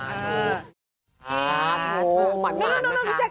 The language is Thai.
โอ้โฮหมานนะครับ